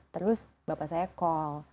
terus bapak saya call